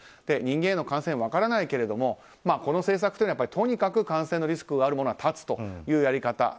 人間への感染は分からないけれどこの政策はとにかく感染のリスクがあるものは絶つというやり方。